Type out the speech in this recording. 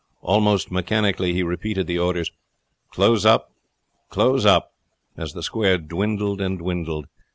Almost mechanically he repeated the orders, "Close up, close up!" as the square dwindled and dwindled.